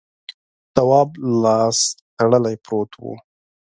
تواب لاس تړلی پروت و.